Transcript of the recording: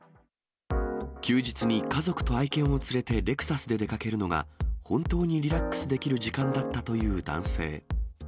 休日に家族と愛犬を連れてレクサスで出かけるのが、本当にリラックスできる時間だったという男性。